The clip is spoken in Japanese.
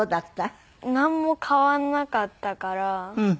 なんも変わらなかったから。